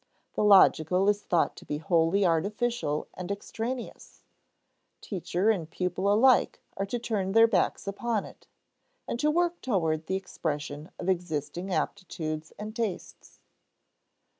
The "logical" is thought to be wholly artificial and extraneous; teacher and pupil alike are to turn their backs upon it, and to work toward the expression of existing aptitudes and tastes.